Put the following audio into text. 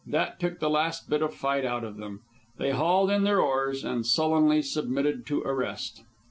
That took the last bit of fight out of them. They hauled in their oars and sullenly submitted to arrest.